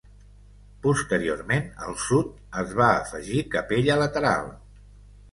Posteriorment, al sud, es va afegir capella lateral.